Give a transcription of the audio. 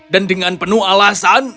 dan dengan penuh alasan